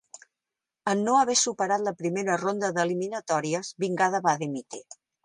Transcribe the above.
En no haver superat la primera ronda d'eliminatòries, Vingada va dimitir.